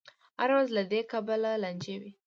هره ورځ دې له کبله لانجه وي.